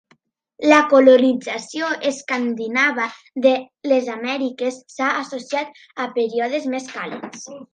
La colonització escandinava de les Amèriques s'ha associat a períodes més càlids.